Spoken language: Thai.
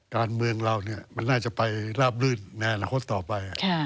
การเมืองเรามันน่าจะไปราบลื่นในอนาคตต่อไป